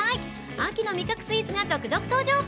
秋の味覚スイーツが続々登場。